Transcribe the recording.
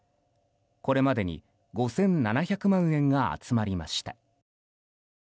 これまでに５７００万円が集まりました。